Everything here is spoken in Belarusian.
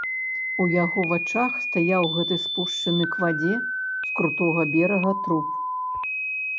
У яго вачах стаяў гэты спушчаны к вадзе з крутога берага труп.